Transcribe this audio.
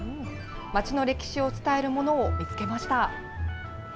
町の歴史を伝えるものを見つけました。